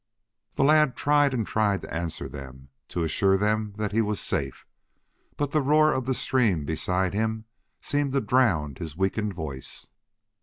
The lad tried and tried to answer them, to assure them that he was safe, but the roar of the stream beside him seemed to drown his weakened voice.